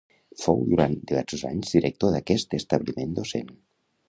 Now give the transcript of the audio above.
Fou durant diversos anys director d'aquest establiment docent.